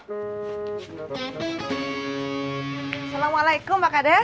assalamualaikum pak kades